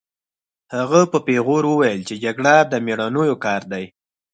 هغه په پیغور وویل چې جګړه د مېړنیو کار دی